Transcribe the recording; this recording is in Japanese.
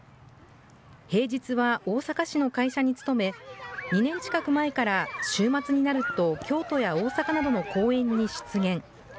平日は大阪市の会社に勤め、２年近く前から週末になると、京都や大阪などの公園に出現。